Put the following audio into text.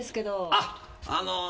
あっあのー